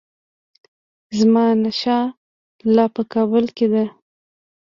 زمانشاه لا په کابل کې دی.